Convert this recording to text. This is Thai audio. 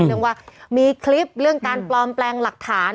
เรื่องว่ามีคลิปเรื่องการปลอมแปลงหลักฐาน